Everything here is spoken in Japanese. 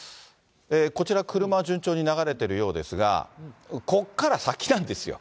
こちら、車は順調に流れてるようですが、ここから先なんですよ。